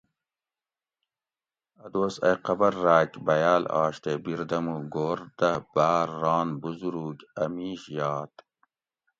اۤ دوس ائ قبر راۤک بیال آش تے بِردمُو گھور دہ باۤر ران بزرُوگ اۤ میش یات